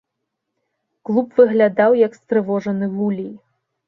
Клуб выглядаў, як стрывожаны вулей.